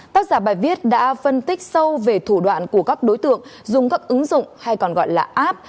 tác giả bài viết đã phân tích sâu về thủ đoạn của các đối tượng dùng các ứng dụng hay còn gọi là app